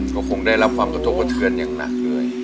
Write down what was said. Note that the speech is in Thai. ก็คงได้รับความกระทบกระเทือนอย่างหนักเลย